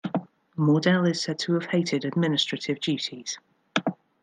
Mordell is said to have hated administrative duties.